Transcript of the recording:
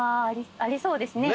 ありそうですね。